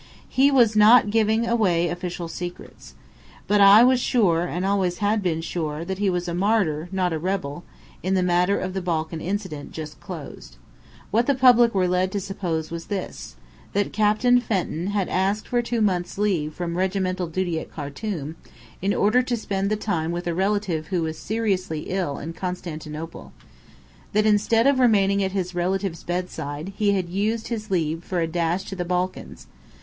He was not giving away official secrets, but I was sure and always had been sure that he was a martyr, not a rebel, in the matter of the Balkan incident, just closed. What the public were led to suppose was this: that Captain Fenton had asked for two months' leave from regimental duty at Khartum, in order to spend the time with a relative who was seriously ill in Constantinople. That instead of remaining at his relative's bedside, he had used his leave for a dash to the Balkans.